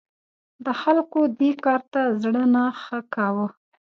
د خلکو دې کار ته زړه نه ښه کاوه.